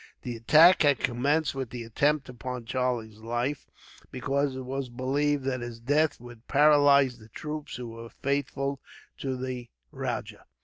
The attack had commenced with the attempt upon Charlie's life, because it was believed that his death would paralyse the troops who were faithful to the rajah.